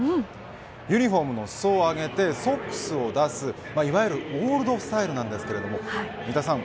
ユニホームの裾を上げてソックスを出す、いわゆるオールドスタイルなんですけど三田さん